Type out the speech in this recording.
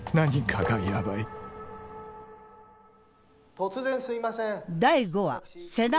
・突然すいません。